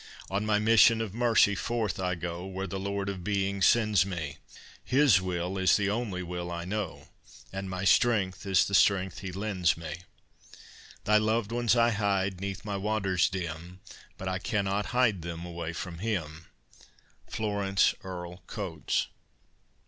"On my mission of mercy forth I go Where the Lord of Being sends me; His will is the only will I know, And my strength is the strength He lends me; Thy loved ones I hide 'neath my waters dim, But I cannot hide them away from Him!" FLORENCE EARLE COATES.